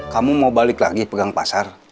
kamu mau balik lagi pegang pasar